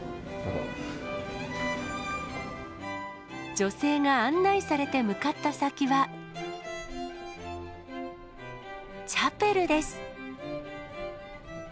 女性が案内されて向かった先は、チャペルです。